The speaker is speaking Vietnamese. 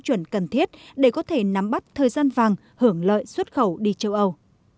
chuẩn cần thiết để có thể nắm bắt thời gian vàng hưởng lợi xuất khẩu đi châu âu